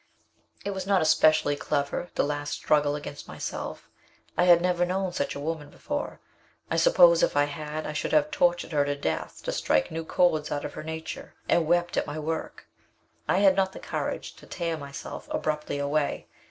"It was not especially clever the last struggle against myself. I had never known such a woman before. I suppose if I had, I should have tortured her to death to strike new chords out of her nature, and wept at my work! I had not the courage to tear myself abruptly away.